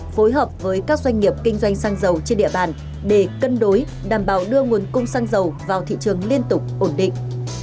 phối hợp với các doanh nghiệp kinh doanh xăng dầu trên địa bàn để cân đối đảm bảo đưa nguồn cung xăng dầu vào thị trường liên tục ổn định